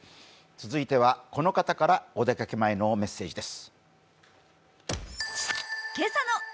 続いては、この方からお出かけ前のメッセージです。